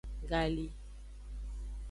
Gali.